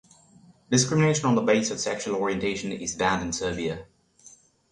Discrimination on the basis of sexual orientation is banned in Serbia.